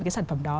cái sản phẩm đó